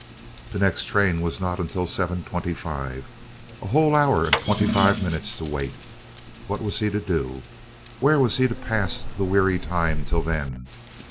The next train was not until 7.25. A whole hour and twenty five minutes to wait! What was he to do? Where was he to pass the weary time till then?